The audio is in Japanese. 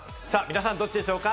皆さんどっちでしょうか？